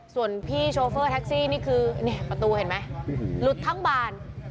ส่วนพี่โชเฟอร์แท็กซี่นี่คือประตูเห็นไหมหลุดทั้งบาน